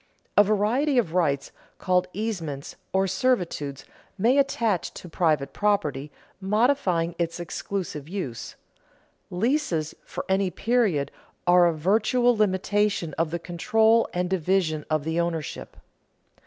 _ A variety of rights called easements or servitudes may attach to private property, modifying its exclusive use. Leases for any period are a virtual limitation of the control and division of the ownership.